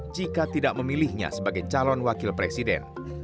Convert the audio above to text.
jika tidak memilihnya sebagai calon wakil presiden